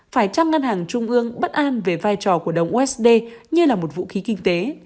phải chăng ngân hàng trung ương bất an về vai trò của đồng usd như là một vũ khí kinh tế